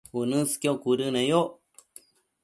uënësqio cuëdëneyoc